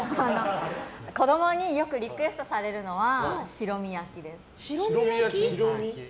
子供によくリクエストされるのは白身焼きです。